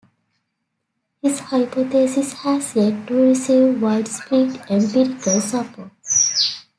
His hypothesis has yet to receive widespread empirical support.